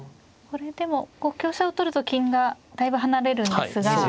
これでも香車を取ると金がだいぶ離れるんですが。